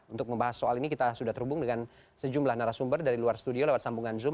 untuk membahas soal ini kita sudah terhubung dengan sejumlah narasumber dari luar studio lewat sambungan zoom